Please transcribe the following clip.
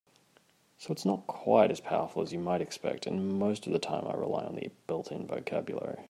So it's not quite as powerful as you might expect, and most of the time I rely on the built-in vocabulary.